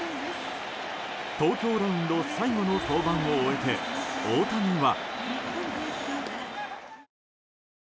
東京ドームの最後の登板を終えて大谷は。